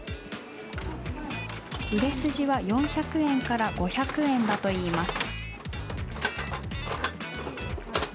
売れ筋は４００円から５００円だといいます。